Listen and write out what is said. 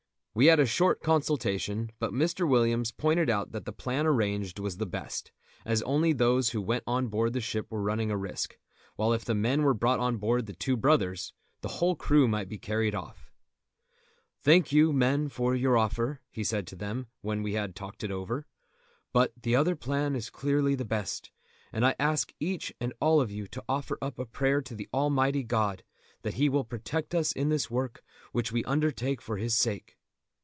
We had a short consultation, but Mr. Williams pointed out that the plan arranged was the best, as only those who went on board the ship were running a risk; while if the men were brought on board The Two Brothers the whole crew might be carried off. "Thank you, men, for your offer," he said to them, when we had talked it over; "but the other plan is clearly the best, and I ask each and all of you to offer up a prayer to Almighty God that He will protect us in this work which we undertake for His sake."